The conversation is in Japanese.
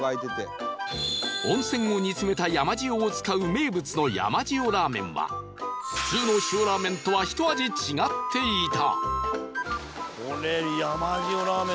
温泉を煮詰めた山塩を使う名物の山塩ラーメンは普通の塩ラーメンとはひと味違っていた！